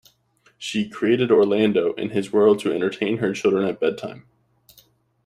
She created Orlando and his world to entertain her children at bedtime.